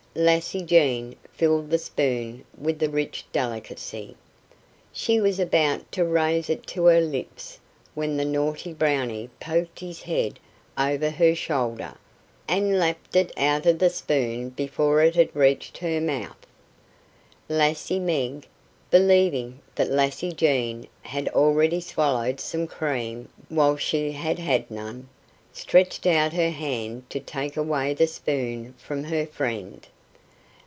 Lassie Jean filled the spoon with the rich delicacy. She was about to raise it to her lips when the naughty Brownie poked his head over her shoulder, and lapped it out of the spoon before it had reached her mouth. Lassie Meg, believing that Lassie Jean had already swallowed some cream while she had had none, stretched out her hand to take away the spoon from her friend.